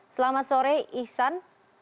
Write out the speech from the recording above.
selamat sore ihsan